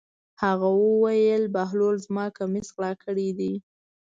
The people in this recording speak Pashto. هغه وویل: بهلول زما کمیس غلا کړی دی.